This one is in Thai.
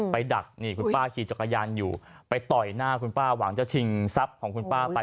ดักนี่คุณป้าขี่จักรยานอยู่ไปต่อยหน้าคุณป้าหวังจะชิงทรัพย์ของคุณป้าไป